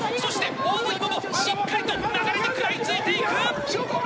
ＯＷＶイモもしっかり流れに食らいついていく。